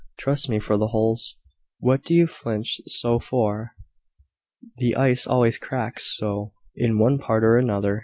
Trust me for the holes. What do you flinch so for? The ice always cracks so, in one part or another.